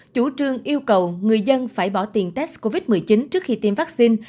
chủ trương yêu cầu người dân phải bỏ tiền test covid một mươi chín trước khi tiêm vaccine